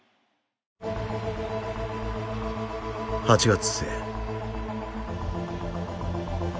８月末。